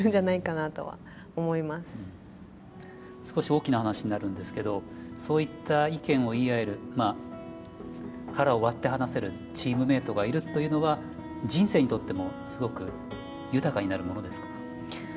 少し大きな話になるんですけどそういった意見を言い合える腹を割って話せるチームメートがいるというのは人生にとってもすごく豊かになるものですか？